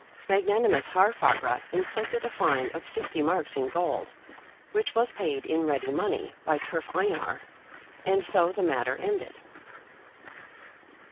Magnanimous Haarfagr inflicted a fine of sixty marks in gold, which was paid in ready money by Turf Einar, and so the matter ended.